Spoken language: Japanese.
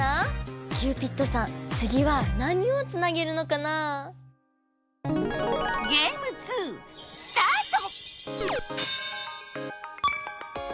キューピッドさんつぎは何をつなげるのかな？スタート！